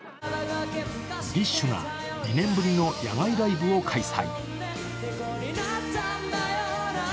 ＤＩＳＨ／／が２年ぶりの野外ライブを開催。